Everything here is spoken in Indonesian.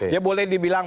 ya boleh dibilang